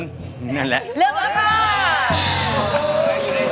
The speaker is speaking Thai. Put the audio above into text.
เพลงที่สี่